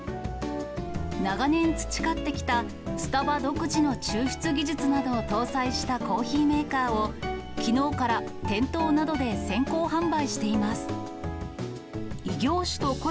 長年培ってきたスタバ独自の抽出技術などを搭載したコーヒーメーカーを、きのうから店頭などで先行販売しています。